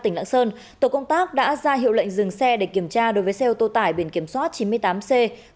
tỉnh lạng sơn tổ công tác đã ra hiệu lệnh dừng xe để kiểm tra đối với xe ô tô tải biển kiểm soát chín mươi tám c tám nghìn năm trăm hai mươi ba